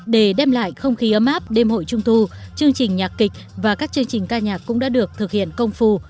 để đem lại không khí ấm áp đêm hội trung thu chương trình nhạc kịch và các chương trình ca nhạc cũng đã được thực hiện công phu